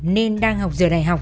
nên đang học giữa đại học